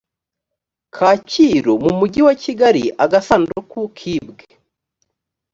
kacyiru mu mujyi wa kigali agasanduka kibwe